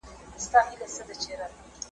زه د تور توپان په شپه څپه یمه ورکېږمه .